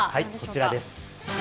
こちらです。